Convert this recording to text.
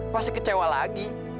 pasti kecewa lagi